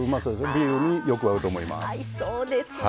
ビールによく合うと思います。